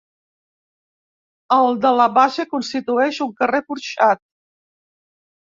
El de la base constitueix un carrer porxat.